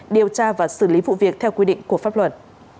điều tra và xử lý vụ việc theo quy định của pháp luật